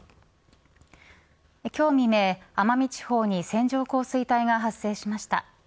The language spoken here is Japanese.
今日未明、奄美地方に線状降水帯が発生しました。